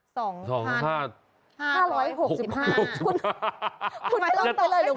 คุณไม่ต้องไปเลยหรือว่าเพียง